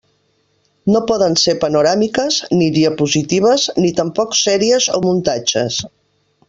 No poden ser panoràmiques, ni diapositives, ni tampoc sèries o muntatges.